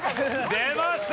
出ました！